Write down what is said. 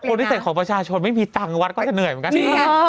พิเศษของประชาชนไม่มีตังค์วัดก็จะเหนื่อยเหมือนกัน